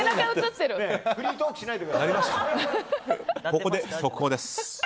ここで速報です。